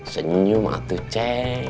senyum hati ceng